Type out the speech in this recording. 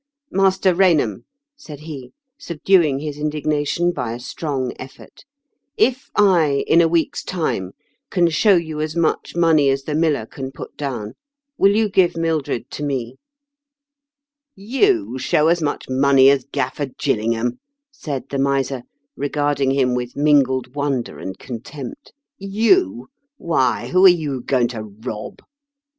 " Master Kainham," said he, subduing his indignation by a strong efibrt, " if I, in a week's time, can show you as much money as the miller can put down, will you give Mildred to me ?" "You show as much money as Gafier A LEGEND OF GVNDULPH'8 TOWEB. 93 Gillingliam I " said the miser, regarding him with mingled wonder and contempt. " You ? Why, who are you going to rob